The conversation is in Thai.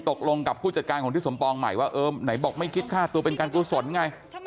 ตกลงกับผู้จัดการของทิศสมปองใหม่ว่าเออไหนบอกไม่คิดค่าตัวเป็นการกุศลไง